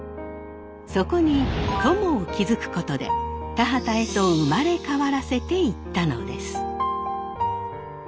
そこに塘を築くことで田畑へと生まれ変わらせていったのです。